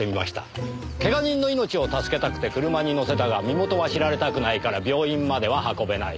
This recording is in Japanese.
けが人の命を助けたくて車に乗せたが身元は知られたくないから病院までは運べない。